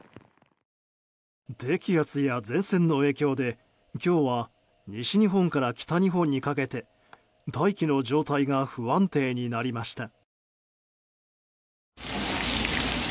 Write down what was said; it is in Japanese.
低気圧や前線の影響で今日は西日本から北日本にかけて大気の状態が不安定になりました。